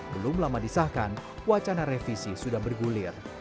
belum lama disahkan wacana revisi sudah bergulir